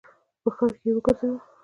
په ښار کي یې وګرځوه !